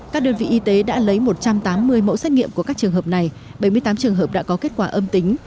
các đơn vị y tế đã lấy một trăm tám mươi mẫu xét nghiệm của các trường hợp này bảy mươi tám trường hợp đã có kết quả âm tính